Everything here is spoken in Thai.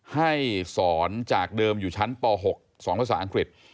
ให้สอนจากเดิมอยู่ชั้นป๖๒ภาษาอังกฤษ